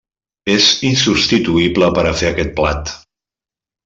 És insubstituïble per a fer aquest plat.